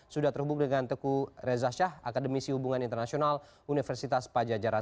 sudah terhubung dengan teku reza shah akademisi hubungan internasional universitas pajajaran